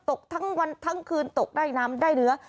ตกทั้งวันทั้งคืนตกได้น้ำได้เนื้อ